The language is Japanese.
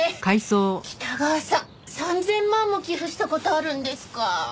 北川さん３０００万も寄付した事あるんですか！